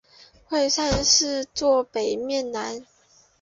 会善寺坐北面南。